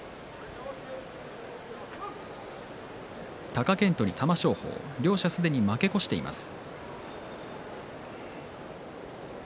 貴健斗に玉正鳳両者すでに負け越しています。